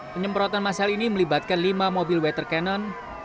penyemprotan masal ini melibatkan lima mobil water cannon